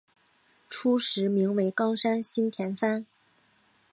初时名为冈山新田藩。